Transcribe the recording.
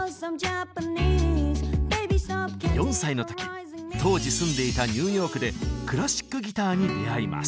４歳の時当時住んでいたニューヨークでクラシックギターに出会います。